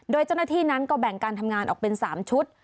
โดยเจ้าหน้าที่นั้นก็แบ่งการทำงานออกเป็น๓ชุด